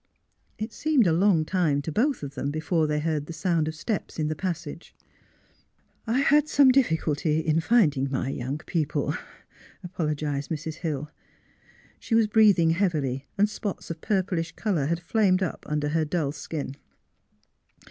It seemed a long time to both of them before they heard the sound of steps in the passage. '' I had some difficulty in finding my young peo ple," apologised Mrs. Hill. She was breathing heavily and spots of purplish colour had flamed up under her dull skin.